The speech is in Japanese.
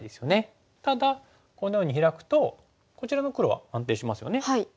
ただこのようにヒラくとこちらの黒は安定しますよね。